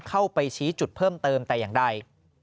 เข้าไปชี้จุดเพิ่มเติมแต่อย่างใด